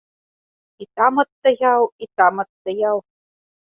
І там адстаяў, і там адстаяў.